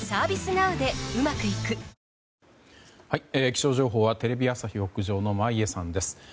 気象情報はテレビ朝日屋上の眞家さんです。